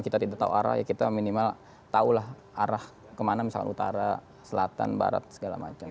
kita tidak tahu arah ya kita minimal tahulah arah kemana misalkan utara selatan barat segala macam